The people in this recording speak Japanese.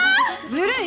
ずるい！